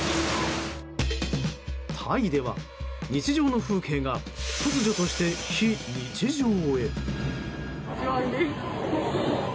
タイでは、日常の風景が突如として非日常へ。